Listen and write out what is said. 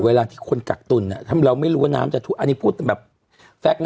เวลาที่คนกักตุ่นเราไม่รู้ว่าน้ำจะทุบอันนี้พูดแบบแฟคนะ